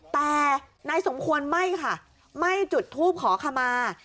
แต่นายสมควรไม่ค่ะไม่จุดทูปขอขมา